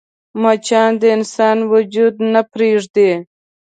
مچان د انسان وجود نه پرېږدي